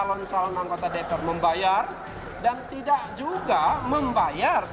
salon salon anggota dpr membayar dan tidak juga membayar